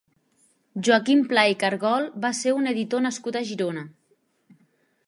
Joaquim Pla i Cargol va ser un editor nascut a Girona.